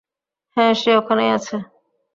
হ্যাঁ, সে ওখানেই আছে।